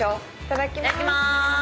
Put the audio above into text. いただきまーす。